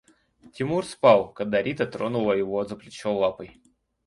Тимур спал, когда Рита тронула его за плечо лапой.